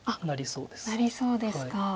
なりそうですか。